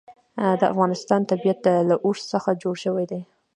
د افغانستان طبیعت له اوښ څخه جوړ شوی دی.